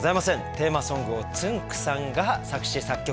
テーマソングをつんく♂さんが作詞作曲。